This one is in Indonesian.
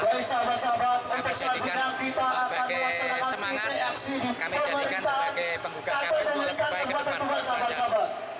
kami menjadikan sebagai semangat kami menjadikan sebagai pengguna kami lebih baik ke depan